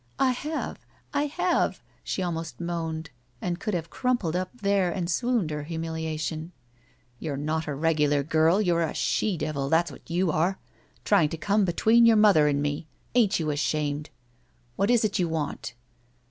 "I have. I have," she almost moaned, and could have crumpled up there and swooned her humiliation. "You're not a regular girl. You're a she devil. That's what you are ! Trying to come between your mother and me. Ain't you ashamed? What is it you want?"